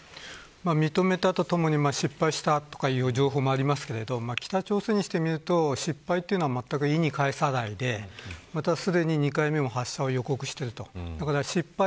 認めたとともに、失敗したという情報もありますけれど北朝鮮にしてみると失敗というのはまったく意に介さないですでに２回目も発射を予告していると。